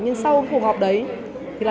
nhưng sau cuộc họp đấy hiệp hội đã kết quả